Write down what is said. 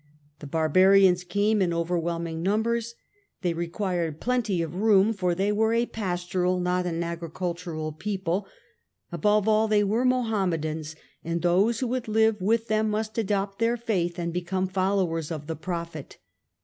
The barbarians came in over whelming numbers : they required plenty of room, for they were a pastoral not an agricultural people ; above all they were Mohammedans, and those who would live with them must adopt their faith and become followers of the prophet.